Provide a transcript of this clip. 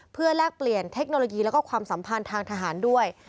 เพื่อแลกเปลี่ยนเทคโนโลยีแล้วก็ความสัมพันธ์ทางทหารด้วย